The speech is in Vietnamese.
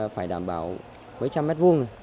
phải đảm bảo mấy trăm mét vuông